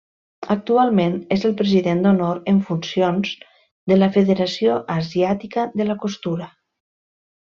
Actualment és el president d'honor en funcions de la Federació Asiàtica de la Costura.